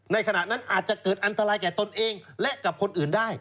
ขณะนั้นอาจจะเกิดอันตรายแก่ตนเองและกับคนอื่นได้